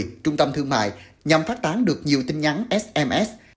các sự kiện tập trung đông thương mại nhằm phát tán được nhiều tin nhắn sms